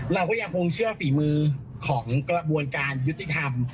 เราก็ยังคงเชื่อฝีมือของกระบวนการยุติธรรม